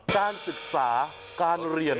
การศึกษาการเรียน